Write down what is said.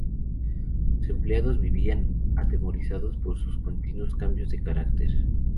Sus empleados vivían atemorizados por sus continuos cambios de carácter.